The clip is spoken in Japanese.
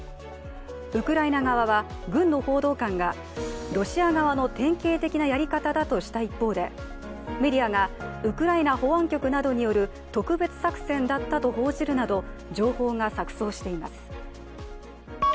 ウクライナ側は、軍の報道官がロシア側の典型的なやり方だとした一方でメディアが、ウクライナ保安局などによる特別作戦だったと報じるなど、情報が錯綜しています。